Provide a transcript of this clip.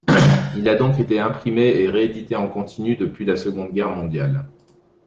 Il a donc été imprimé et réédité en continu depuis la Seconde Guerre mondiale.